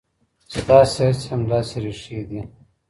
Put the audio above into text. ستاسې هڅې هم داسې ریښې دي.